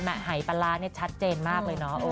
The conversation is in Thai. หายปลาร้าเนี่ยชัดเจนมากเลยเนาะ